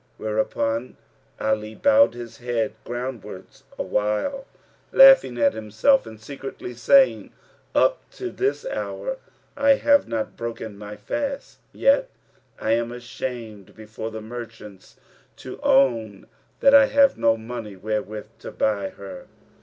Whereupon Ali bowed his head groundwards awhile, laughing at himself and secretly saying, "Up to this hour I have not broken my fast; yet I am ashamed before the merchants to own that I have no money wherewith to buy her."